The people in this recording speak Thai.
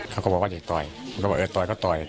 เขาก็บอกว่าเด็กต่อยมันก็บอกเออต่อยก็ต่อย